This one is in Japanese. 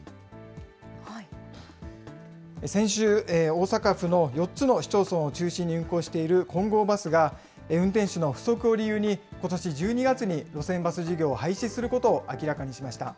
先週、大阪府の４つの市町村を中心に運行している金剛バスが、運転手の不足を理由に、ことし１２月に路線バス事業を廃止することを明らかにしました。